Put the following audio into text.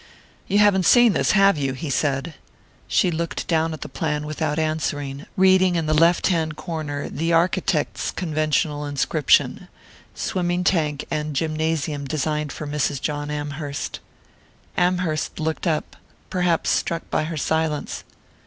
"You haven't seen this, have you?" he said. She looked down at the plan without answering, reading in the left hand corner the architect's conventional inscription: "Swimming tank and gymnasium designed for Mrs. John Amherst." Amherst looked up, perhaps struck by her silence.